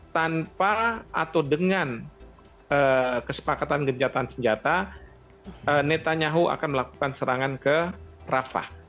tanpa atau dengan kesepakatan gencatan senjata netanyahu akan melakukan serangan ke rafah